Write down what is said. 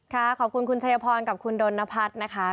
ขอบคุณคุณชัยพรกับคุณดนพัฒน์นะคะ